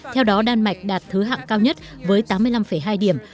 theo đó đan mạch đạt thứ hạng cao nhất với tám mươi năm hai điểm